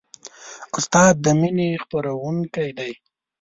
استاد د مینې خپروونکی دی.